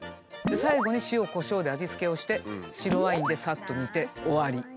最後に塩コショウで味付けをして白ワインでさっと煮て終わり。